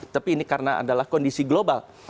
tapi ini karena adalah kondisi global